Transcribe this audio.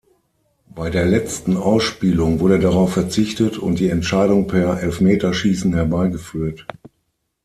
Bei der letzten Ausspielung wurde darauf verzichtet und die Entscheidung per Elfmeterschießen herbeigeführt.